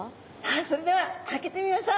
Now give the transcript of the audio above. それでは開けてみましょう。